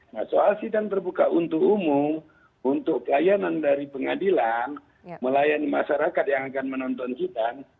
nah soal sidang terbuka untuk umum untuk pelayanan dari pengadilan melayani masyarakat yang akan menonton sidang